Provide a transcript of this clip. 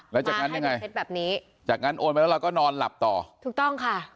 แล้วจากนั้นยังไงเพชรแบบนี้จากนั้นโอนไปแล้วเราก็นอนหลับต่อถูกต้องค่ะ